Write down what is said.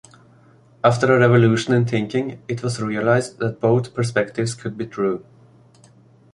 After a revolution in thinking, it was realized that both perspectives could be true.